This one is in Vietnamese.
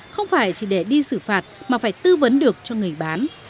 không phải chỉ để đi xử phạt mà phải tư vấn được cho người bán